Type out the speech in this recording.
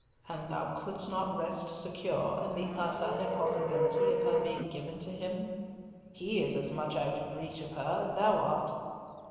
"And thou couldst not rest secure in the utter impossibility of her being given to him? He is as much out of reach of her as thou art."